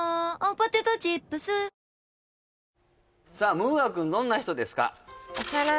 ムーア君どんな人ですか？